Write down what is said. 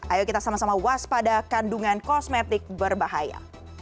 ayo kita sama sama waspada kandungan kosmetik berbahaya